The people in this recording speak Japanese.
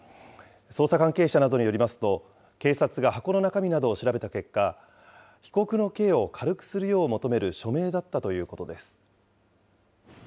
捜査関係者などによりますと、警察が箱の中身などを調べた結果、被告の刑を軽くするよう求める署名だったということです。